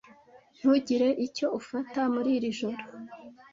Ntugire icyo ufata muri iri joro.